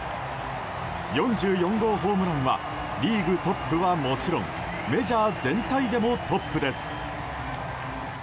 ４４号ホームランはリーグトップはもちろんメジャー全体でもトップです。